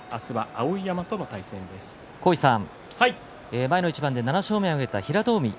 前の一番で７勝目を挙げた平戸海